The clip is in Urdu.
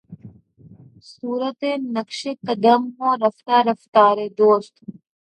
صورتِ نقشِ قدم ہوں رفتۂ رفتارِ دوست